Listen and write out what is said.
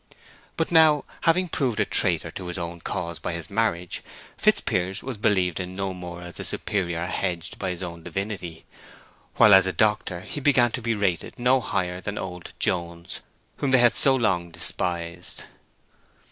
But now, having proved a traitor to his own cause by this marriage, Fitzpiers was believed in no more as a superior hedged by his own divinity; while as doctor he began to be rated no higher than old Jones, whom they had so long despised.